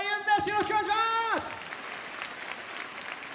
よろしくお願いします！